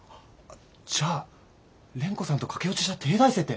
じゃあ蓮子さんと駆け落ちした帝大生って。